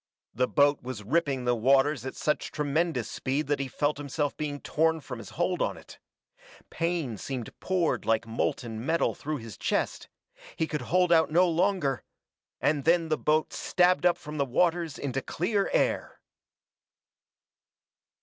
The boat was ripping the waters at such tremendous speed that he felt himself being torn from his hold on it. Pain seemed poured like molten metal through his chest he could hold out no longer; and then the boat stabbed up from the waters into clear air!